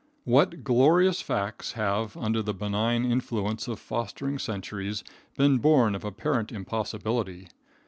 What glorious facts have, under the benign influence of fostering centuries, been born of apparent impossibility.